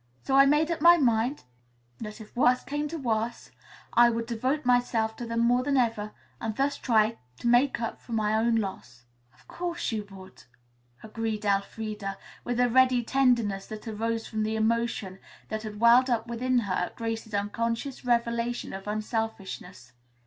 So I made up my mind that if worse came to worst, I would devote myself to them more than ever and thus try to make up for my own loss." "Of course you would," agreed Elfreda, with a ready tenderness that arose from the emotion that had welled up within her at Grace's unconscious revelation of unselfishness.